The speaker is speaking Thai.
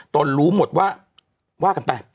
ตนรู้หมดว่าว่ากำแต่